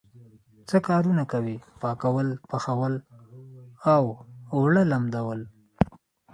څه کارونه کوئ؟ پاکول، پخول او اوړه لمدول